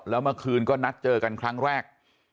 แล้วเมื่อคืนก็นัดเจอกันครั้งแรก